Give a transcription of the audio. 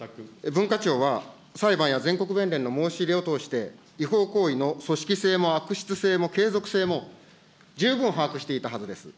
文化庁は裁判や全国弁連の申し入れを通して、違法行為の組織性も悪質性も継続性も十分把握していたはずです。